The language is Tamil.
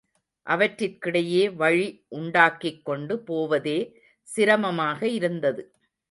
அவற்றிற்கிடையே வழி உண்டாக்கிக்கொண்டு போவதே சிரமமாக இருந்தது.